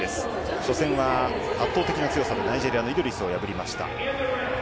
初戦は圧倒的な強さでナイジェリアのイドリスを破りました。